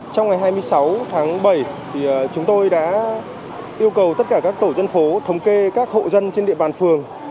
trong ngày hai mươi sáu tháng bảy chúng tôi đã yêu cầu tất cả các tổ dân phố thống kê các hộ dân trên địa bàn phường